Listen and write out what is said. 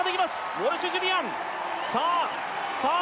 ウォルシュ・ジュリアンさあさあ